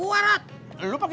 hidup kekuatan kedua